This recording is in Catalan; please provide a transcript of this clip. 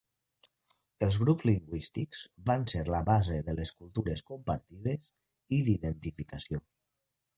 Els grups lingüístics van ser la base de les cultures compartides i d'identificació.